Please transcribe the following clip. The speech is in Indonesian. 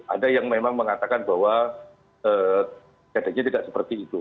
ada yang memang mengatakan bahwa jadinya tidak seperti itu